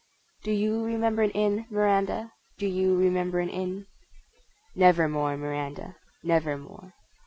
Do you remember an Inn, Miranda? Do you remember an Inn? Never more; Miranda, Never more.